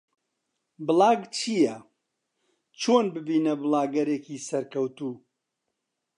بڵاگ چییە؟ چۆن ببینە بڵاگەرێکی سەرکەوتوو؟